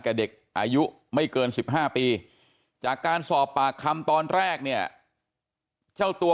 กับเด็กอายุไม่เกิน๑๕ปีจากการสอบปากคำตอนแรกเนี่ยเจ้าตัว